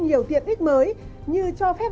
nhiều tiện ích mới như cho phép